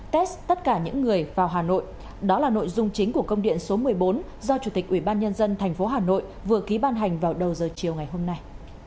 test tất cả những người vào hà nội đó là nội dung chính của công điện số một mươi bốn do chủ tịch ủy ban nhân dân tp hà nội vừa ký ban hành vào đầu giờ chiều ngày hôm nay